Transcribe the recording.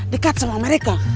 dekat sama mereka